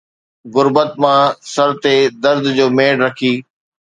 غربت مان سر تي درد جو ميڙ رکي